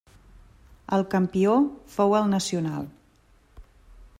El campió fou el Nacional.